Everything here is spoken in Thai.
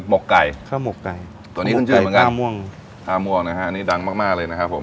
หกไก่ข้าวหมกไก่ตัวนี้ขึ้นชื่อเหมือนกันท่าม่วงนะฮะอันนี้ดังมากมากเลยนะครับผม